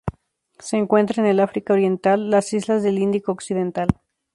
Se encuentra en el África Oriental las islas del Índico occidental.